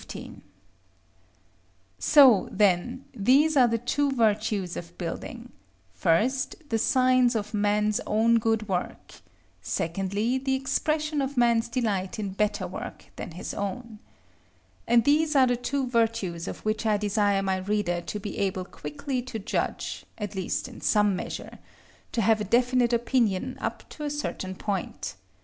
So, then, these are the two virtues of building: first, the signs of man's own good work; secondly, the expression of man's delight in better work than his own. And these are the two virtues of which I desire my reader to be able quickly to judge, at least in some measure; to have a definite opinion up to a certain point.